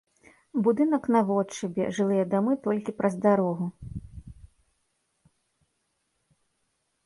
Будынак наводшыбе, жылыя дамы толькі праз дарогу.